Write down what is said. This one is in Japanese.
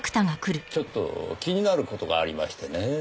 ちょっと気になる事がありましてねぇ。